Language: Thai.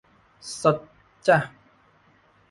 สดจ้ะ